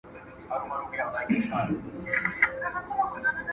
سلسال او شاهمامه